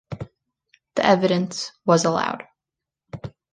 The evidence was allowed.